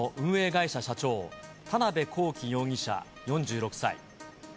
会社社長、田辺公己容疑者４６歳。